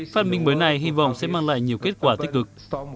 phát minh mới này hy vọng sẽ mang lại nhiều kết quả tích cực